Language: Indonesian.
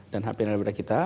dan hpl nya ada pada kita